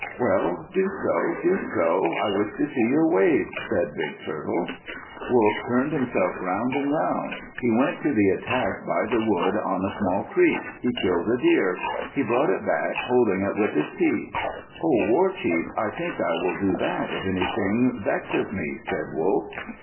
"Well, do so. Do so. I wish to see your ways," said Big Turtle. Wolf turned himself round and round. He went to the attack by the wood on a small creek. He killed a deer. He brought it back, holding it with his teeth. "O war chief, I think I will do that, if anything vexes me," said Wolf.